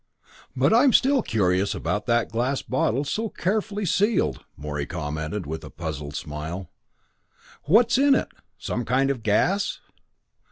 "But I'm still curious about that glass bottle, so carefully sealed." Morey commented with a puzzled smile. "What's in it? Some kind of gas?"